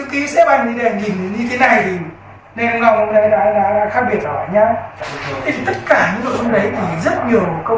thì biết là sơn như này